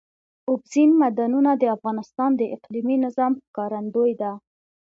اوبزین معدنونه د افغانستان د اقلیمي نظام ښکارندوی ده.